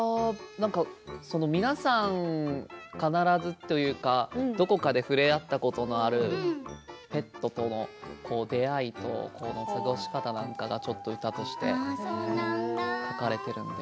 皆さん必ずというかどこかで触れ合ったことのあるペットとの出会いと過ごし方なんかがちょっと歌として描かれているので。